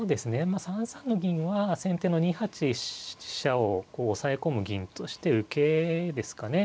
まあ３三の銀は先手の２八飛車を押さえ込む銀として受けですかね。